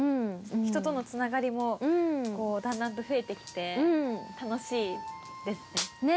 人との繋がりもだんだんと増えてきて楽しいですね。